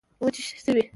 وچي شوې